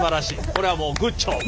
これはもうグッジョブ。